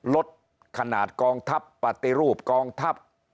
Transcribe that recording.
ลดขนาดกองทัพปฏิรูปกองทัพ